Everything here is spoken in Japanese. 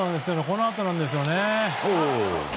このあとなんですよね。